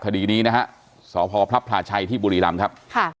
สวัสดีนี้นะฮะสพพลับพลาชัยที่บุรีรำครับ